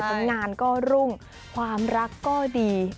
ผลงานก็รุ่งความรักก็ดี